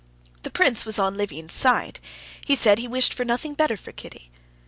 The prince was on Levin's side; he said he wished for nothing better for Kitty.